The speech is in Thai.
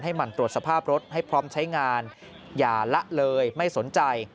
หมั่นตรวจสภาพรถให้พร้อมใช้งานอย่าละเลยไม่สนใจ